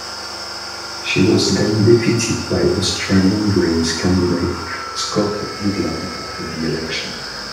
She was then defeated by Australian Greens candidate Scott Ludlam at the election.